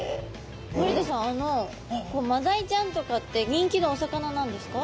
森田さんマダイちゃんとかって人気のお魚なんですか？